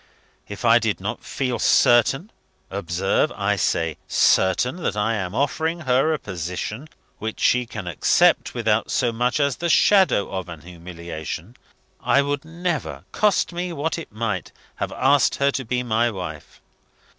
If I did not feel certain observe, I say certain that I am offering her a position which she can accept without so much as the shadow of a humiliation I would never (cost me what it might) have asked her to be my wife.